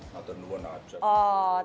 matur suan sangat